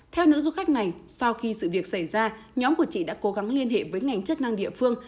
theo nữ du khách này sau khi sự việc xảy ra nhóm của chị đã cố gắng liên hệ với ngành chức năng địa phương